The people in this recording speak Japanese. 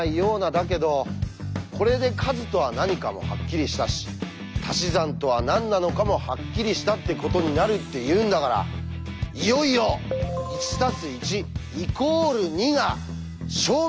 だけどこれで「数」とは何かもハッキリしたし「たし算」とは何なのかもハッキリしたってことになるっていうんだからいよいよ「１＋１＝２」が証明できるはずです！